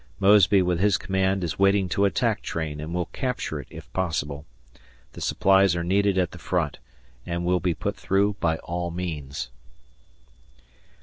Mosby, with his command, is waiting to attack train, and will capture it, if possible. The supplies are needed at the front, and will be put through by all means.